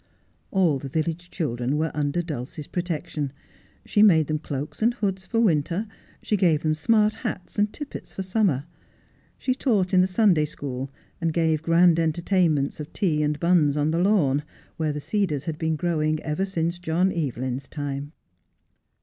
All the village children were under Dulcie's protection. She made them cloaks and hoods for winter ; she gave them smart hats and tippets for summer. She taught in the Sunday school, and gave grand entertainments of tea and buns on the lawn, where the cedars had been growing ever since John Evelyn's time.